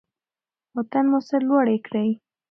وطن مو سرلوړی کړئ.